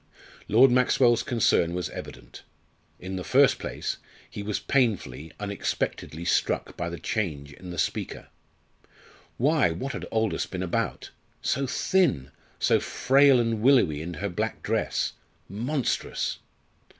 Lord Maxwell's concern was evident. In the first place, he was painfully, unexpectedly struck by the change in the speaker. Why, what had Aldous been about? So thin! so frail and willowy in her black dress monstrous!